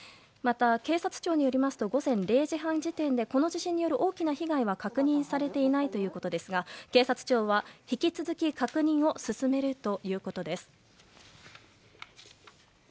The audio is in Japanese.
また、警察庁によりますと午前０時半時点でこの地震による大きな被害は確認されていないということですが警察庁は引き続き確認を進めるということです。